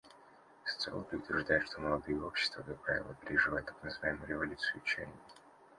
Социологи утверждают, что молодые общества, как правило, переживают так называемую «революцию чаяний».